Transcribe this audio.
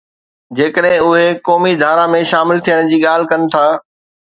جيڪڏهن اُهي قومي ڌارا ۾ شامل ٿيڻ جي ڳالهه ڪن ٿا.